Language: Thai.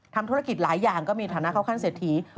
ทำธุรกิจหลายอย่างก็มีฐานะเข้าขั้นเศรษฐี